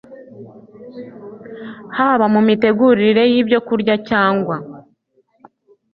haba mu mitegurire yibyokurya cyangwa